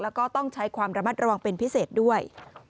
แล้วก็ต้องใช้ความระมัดระวังเป็นพิเศษด้วย